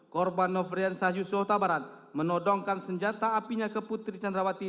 korban nofrian sahyus yota barat menodongkan senjata apinya ke putri candrawati